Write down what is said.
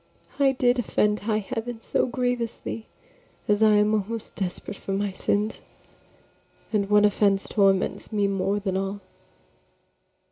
I did offend high heaven so grievously As I am almost desperate for my sins; And one offense torments me more than all.